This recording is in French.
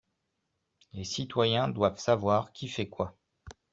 Les citoyens doivent savoir qui fait quoi